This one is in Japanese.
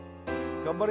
・頑張れ！